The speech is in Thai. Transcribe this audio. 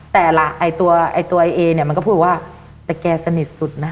แต่ล่ะไอ้ตัวไอ้ตัวไอเอเนี่ยมันก็พูดว่าแต่แกสนิทสุดนะ